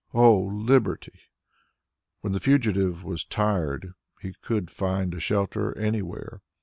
O Liberty! When the fugitive was tired, he could find a shelter anywhere.